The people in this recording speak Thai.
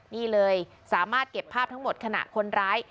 นี่เลยสามารถเก็บภาพทั้งหมดขณะคนร้าย